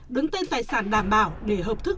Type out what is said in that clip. đứng tên tài sản đảm bảo để hợp thức